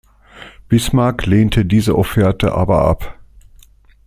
Bismarck lehnte diese Offerte aber ab.